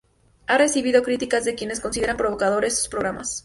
Ha recibido críticas de quienes consideran provocadores sus programas.